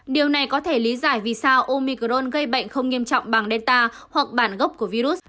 điều này có thể lý giải vì sao omicron gây bệnh không nghiêm trọng bằng delta hoặc bản gốc của virus